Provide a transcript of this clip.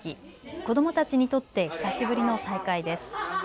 子どもたちにとって久しぶりの再会です。